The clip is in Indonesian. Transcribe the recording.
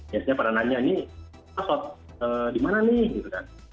ya saya pernah nanya ini asal di mana nih